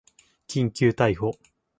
緊急逮捕